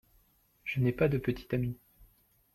Je n'ai pas de petit ami.